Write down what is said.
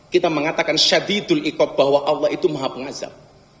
kita mengatakan syadidul ikob bahwa allah itu maha pengazab